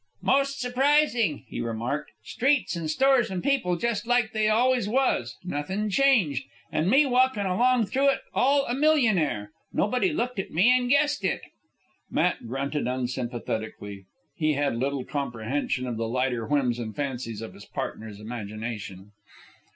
"Most surprising," he remarked. "Streets, an' stores, an' people just like they always was. Nothin' changed. An' me walking along through it all a millionaire. Nobody looked at me an' guessed it." Matt grunted unsympathetically. He had little comprehension of the lighter whims and fancies of his partner's imagination.